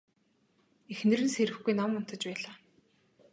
Эхнэр нь сэрэхгүй нам унтаж байлаа.